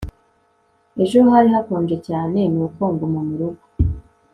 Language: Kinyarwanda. ejo hari hakonje cyane, nuko nguma murugo